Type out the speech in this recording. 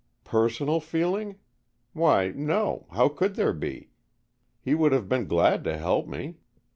"Personal feeling? Why, no, how could there be? He would have been glad to help me.